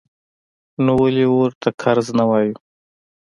نو ولې ورته فرض نه وایو؟